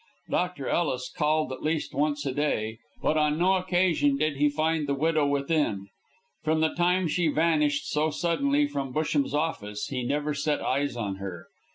Dr. Ellis called at least once a day, but on no occasion did he find the widow within. From the time she vanished so suddenly from Busham's office, he never set eyes on her.